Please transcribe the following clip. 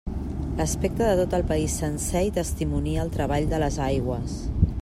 L'aspecte de tot el país sencer hi testimonia el treball de les aigües.